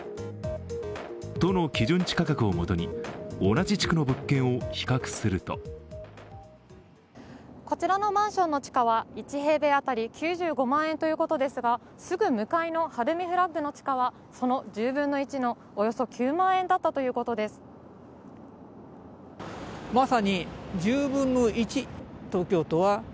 都の基準地価格をもとに同じ地区の物件を比較するとこちらのマンションの地価は１平米当たり９５万円ということですがすぐ向かいのＨＡＲＵＭＩＦＬＡＧの地価はその１０分の１のおよそ９万円だったといいます。